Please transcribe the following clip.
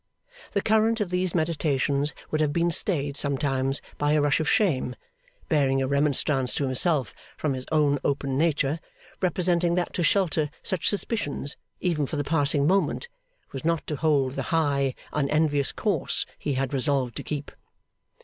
The current of these meditations would have been stayed sometimes by a rush of shame, bearing a remonstrance to himself from his own open nature, representing that to shelter such suspicions, even for the passing moment, was not to hold the high, unenvious course he had resolved to keep.